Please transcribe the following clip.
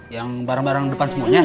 yang barang barang depan semuanya